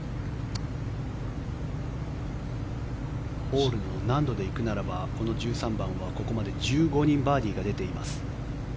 ホールの難度でいうならばこの１３番はここまで１５人バーディーが出ています。